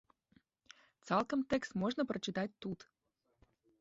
Цалкам тэкст можна прачытаць тут.